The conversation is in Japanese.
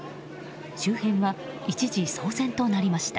周辺は一時騒然となりました。